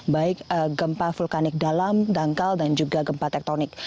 baik gempa vulkanik dalam dangkal dan juga gempa tektonik